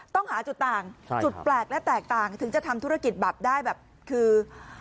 ต้องหาจุดต่างจุดแปลกและแตกต่างถึงจะทำธุรกิจแบบได้แบบคือ